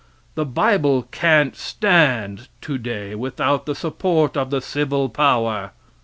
The bible can't stand today without the support of the civil power.